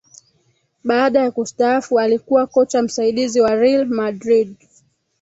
Baada ya kustaafu alikuwa kocha msaidizi wa Real Madrid